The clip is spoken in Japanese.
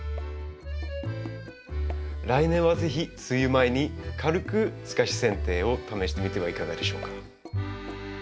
来年は是非梅雨前に軽く透かしせん定を試してみてはいかがでしょうか？